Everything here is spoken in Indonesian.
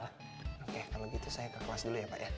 oke kalau gitu saya ke kelas dulu ya pak ya